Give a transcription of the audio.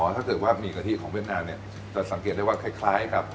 ถ้าเกิดว่ามีกะทิของเวียดนามเนี่ยจะสังเกตได้ว่าคล้ายกับ